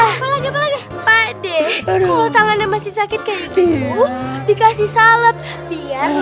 hai tempat pak d kalau tak ada masih sakit kayak ibu dikasih salep biar